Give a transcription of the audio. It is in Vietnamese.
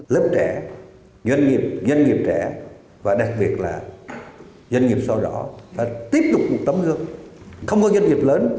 lớp trẻ nhân nghiệp trẻ và đặc biệt là nhân nghiệp so rõ và tiếp tục tấm gương không có nhân nghiệp lớn